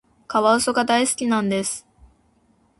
カワウソが大好きなんです。